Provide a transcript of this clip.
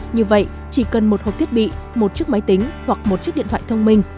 như vậy chỉ cần một hộp thiết bị một chiếc máy tính hoặc một chiếc điện thoại thông minh